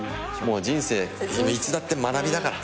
人生いつだって学びだから。